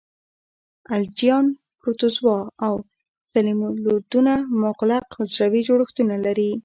الجیان، پروتوزوا او سلیمولدونه مغلق حجروي جوړښت لري.